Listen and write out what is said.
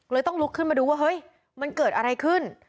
ต้องลุกขึ้นมาดูว่าเฮ้ยมันเกิดอะไรขึ้น